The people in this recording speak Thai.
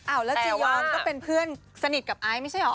แล้วจียอนก็เป็นเพื่อนสนิทกับไอซ์ไม่ใช่เหรอ